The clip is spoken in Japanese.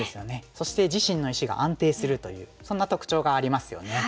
そして自身の石が安定するというそんな特徴がありますよね。